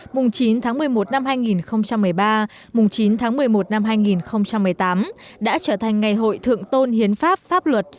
mùng chín tháng một mươi một năm hai nghìn một mươi ba mùng chín tháng một mươi một năm hai nghìn một mươi tám đã trở thành ngày hội thượng tôn hiến pháp pháp luật